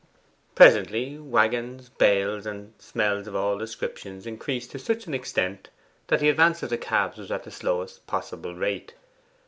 Presently waggons, bales, and smells of all descriptions increased to such an extent that the advance of the cabs was at the slowest possible rate.